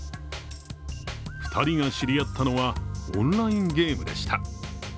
２人が知り合ったのはオンラインゲームでした。